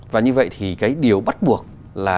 và như vậy thì cái điều bắt buộc là